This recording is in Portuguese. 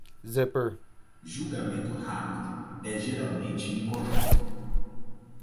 Julgamento rápido é geralmente incorreto.